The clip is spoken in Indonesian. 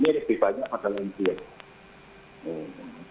jadi banyak masalah yang cek